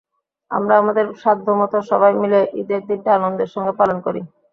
আমরা আমাদের সাধ্যমতো সবাই মিলে ঈদের দিনটা আনন্দের সঙ্গে পালন করি।